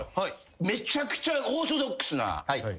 めちゃくちゃオーソドックスな。